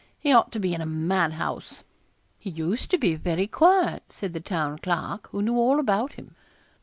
He ought to be in a madhouse.' 'He used to be very quiet,' said the Town Clerk, who knew all about him.